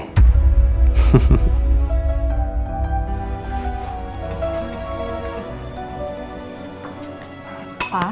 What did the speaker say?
hatiku rasanya bahagia sekali